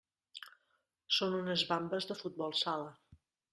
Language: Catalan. Són unes vambes de futbol sala.